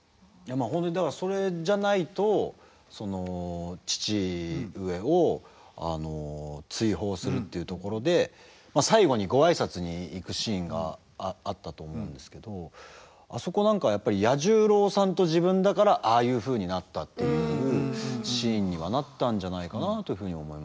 本当にだからそれじゃないとその父上を追放するっていうところで最後にご挨拶に行くシーンがあったと思うんですけどあそこなんかはやっぱり彌十郎さんと自分だからああいうふうになったっていうシーンにはなったんじゃないかなというふうに思います。